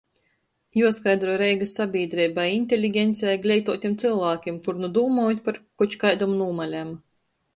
Juoskaidroj Reigys sabīdreibai, inteligencei, gleituotim cylvākim, kur nu dūmojūt par koč kaidom nūmalem.